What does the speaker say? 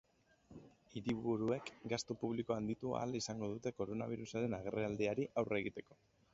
Hiriburuek gastu publikoa handitu ahal izango dute koronabirusaren agerraldiari aurre egiteko.